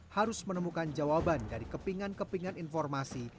harus menemukan jawaban dari kepingan kepingan informasi